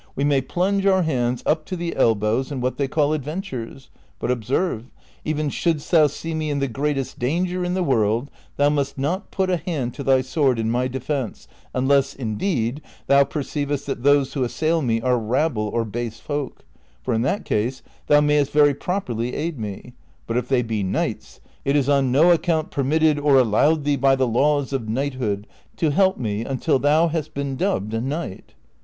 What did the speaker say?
" we may plunge our hands up to the elbows in what they call adventures ; but observe, even shouldst thou see me in the greatest danger in the world, thou must not put a hand to thy sword in my defence, unless, indeed, thou per ceivest that those who assail me are rabble or base folk; for in that case thou mayest very projjcrly aid me ; but if they be knights it is on no account permitted or allowed thee by tlie laws of knighthood to help me until thou hast been dubbed a knight."